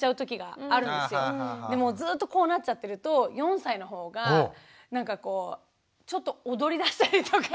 もうずっとこうなっちゃってると４歳のほうがちょっと踊りだしたりとか。